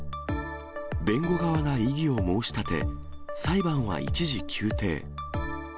弁護側が異議を申し立て、裁判は一時休廷。